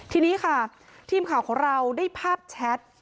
ทีนี้ค่ะทีมข่าวของเราได้ภาพแชท